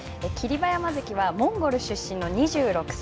馬山関はモンゴル出身の２６歳。